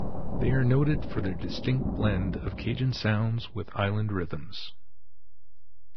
They are noted for their distinct blend of Cajun sounds with island rhythms.